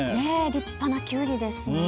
立派なきゅうりですね。